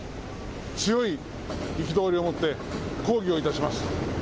強い憤りを持って抗議をいたします。